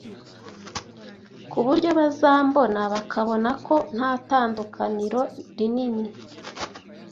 Ku buryo bazambona bakabona ko nta tandukaniro rinini